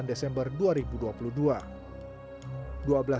dua belas desember dua ribu dua puluh dua video cctv aksi penculikan menjadi viral